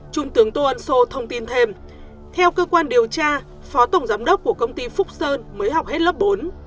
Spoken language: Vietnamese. trung tướng tô ân sô thông tin thêm theo cơ quan điều tra phó tổng giám đốc của công ty phúc sơn mới học hết lớp bốn